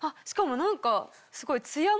しかも何かすごい。